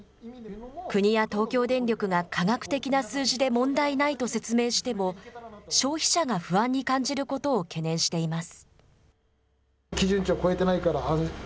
国や東京電力が科学的な数字で問題ないと説明しても、消費者が不安に感じることを懸念しています。